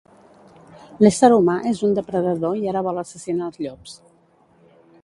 L'ésser humà és un depredador i ara vol assassinar els llops